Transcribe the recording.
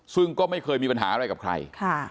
ซึ่งก็ไม่เคยมีปัญหาอะไรกับใคร